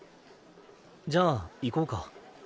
じゃあ行こうか。